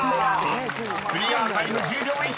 ［クリアタイム１０秒１］